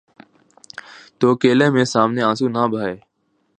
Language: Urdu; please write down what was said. تو اکیلے میں، سامنے آنسو نہ بہائے۔